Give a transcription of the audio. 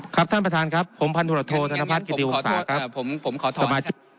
ครับท่านประธานครับผมพันธุรโทษธนพัฒน์กิติวงศาครับผมผมขอมา